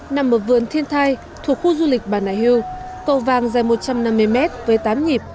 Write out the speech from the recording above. nằm ở vườn thiên thai thuộc khu du lịch bà nà hiêu cầu vàng dài một trăm năm mươi mét với tám nhịp